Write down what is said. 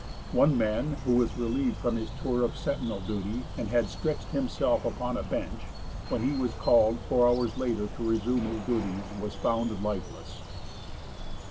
One man who was relieved from his tour of sentinel duty, and had stretched himself upon a bench; when he was called four hours later to resume his duties, he was found lifeless."